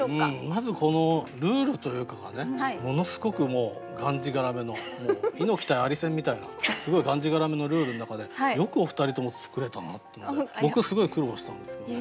まずルールというかがねものすごくがんじがらめの猪木対アリ戦みたいなすごいがんじがらめのルールの中でよくお二人とも作れたなっていうので僕すごい苦労したんですけどね。